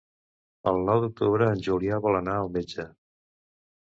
El nou d'octubre en Julià vol anar al metge.